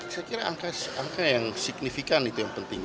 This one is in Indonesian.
saya kira angka yang signifikan itu yang penting